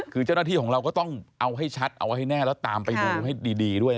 คือเจ้าหน้าที่ของเราก็ต้องเอาให้ชัดเอาไว้ให้แน่แล้วตามไปดูให้ดีด้วย